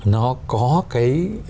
nó có cái